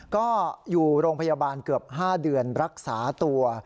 ก็อยู่โรงพยาบาลเกือบ๕เดือนรักษาตัว